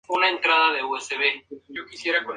Todos los fusiles Vz.